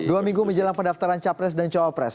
dua minggu menjelang pendaftaran capres dan cowopres